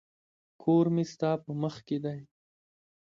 کور مي ستا په مخ کي دی.